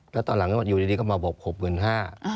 แล้วตอนหลังอยู่ดีก็มาบอกหกหมื่นห้า